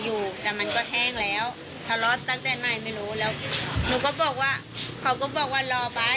คุณหนูก็รอวันหนึ่งรอวันหนึ่งเขาก็ไม่กลับมา